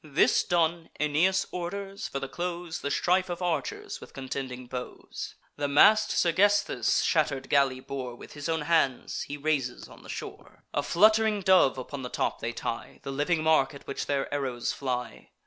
This done, Aeneas orders, for the close, The strife of archers with contending bows. The mast Sergesthus' shatter'd galley bore With his own hands he raises on the shore. A flutt'ring dove upon the top they tie, The living mark at which their arrows fly.